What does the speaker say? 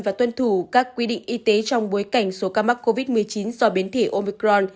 và tuân thủ các quy định y tế trong bối cảnh số ca mắc covid một mươi chín do biến thể omicron